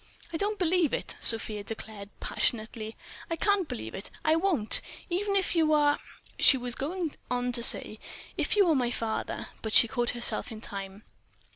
"I don't believe it!" Sofia declared, passionately—"I can't believe it, I won't! Even if you are—" She was going on to say "if you are my father," but caught herself in time.